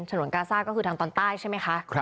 นวนกาซ่าก็คือทางตอนใต้ใช่ไหมคะ